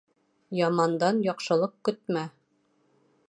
Ямандан яҡшылыҡ көтмә.